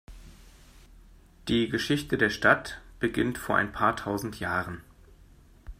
Die Geschichte der Stadt beginnt vor ein paar tausend Jahren.